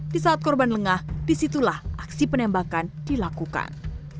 di saat korban lengah disitulah aksi penembakan dilakukan